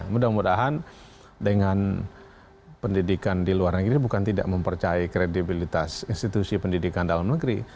mudah mudahan dengan pendidikan di luar negeri bukan tidak mempercayai kredibilitas institusi pendidikan dalam negeri